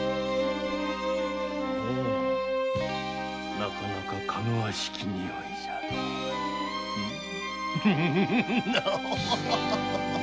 なかなかかぐわしきニオイじゃのう。